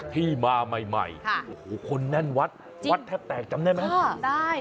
ที่มาใหม่โอ้โหคนแน่นวัดวัดแทบแตกจำได้ไหมจำได้